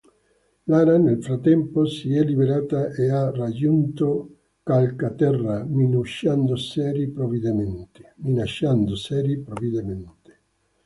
Lara nel frattempo si è liberata e ha raggiunto Calcaterra, minacciando seri provvedimenti.